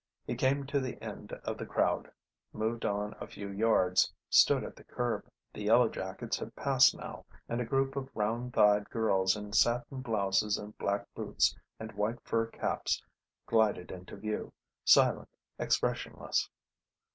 He came to the end of the crowd, moved on a few yards, stood at the curb. The yellow jackets had passed now, and a group of round thighed girls in satin blouses and black boots and white fur caps glided into view, silent, expressionless.